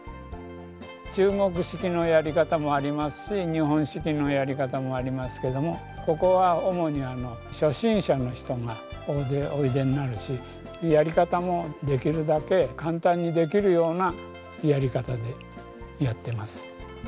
中国式のやり方もありますし日本式のやり方もありますけどもここは主に初心者の人が大勢おいでになるしやり方もできるだけ簡単にできるようなやり方でやってます。